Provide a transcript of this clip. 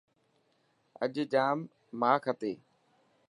اڄ ڄام ماک هتي.